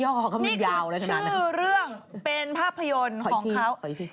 นี่คือชื่อเรื่องเป็นภาพยนตร์ของเขา